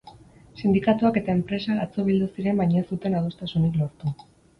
Sindikatuak eta enpresa atzo bildu ziren baina ez zuten adostasunik lortu.